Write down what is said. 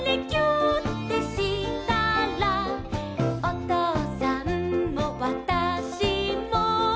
「おとうさんもわたしも」